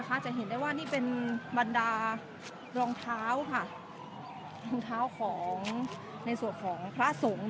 มีผู้ที่ได้รับบาดเจ็บและถูกนำตัวส่งโรงพยาบาลเป็นผู้หญิงวัยกลางคน